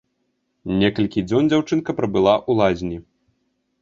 Некалькі дзён дзяўчынка прабыла ў лазні.